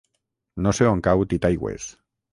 No sé on cau Titaigües.